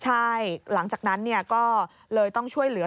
ใช่หลังจากนั้นก็เลยต้องช่วยเหลือ